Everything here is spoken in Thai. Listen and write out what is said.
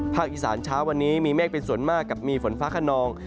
อีสานเช้าวันนี้มีเมฆเป็นส่วนมากกับมีฝนฟ้าขนอง